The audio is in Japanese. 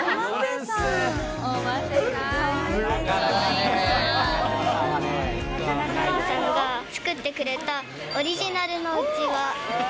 お母さんが作ってくれた、オリジナルのうちわ。